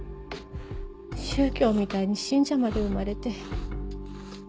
宗教みたいに信者まで生まれて。